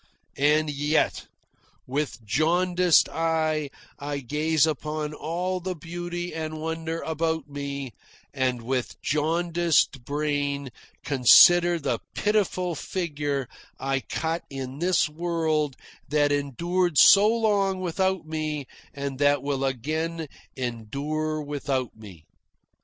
And yet, with jaundiced eye I gaze upon all the beauty and wonder about me, and with jaundiced brain consider the pitiful figure I cut in this world that endured so long without me and that will again endure without me.